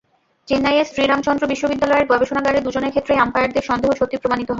চেন্নাইয়ের শ্রীরামাচন্দ্র বিশ্ববিদ্যালয়ের গবেষণাগারে দুজনের ক্ষেত্রেই আম্পায়ারদের সন্দেহ সত্যি প্রমাণিত হয়।